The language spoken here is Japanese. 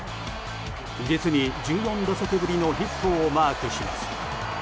実に１４打席ぶりのヒットをマークします。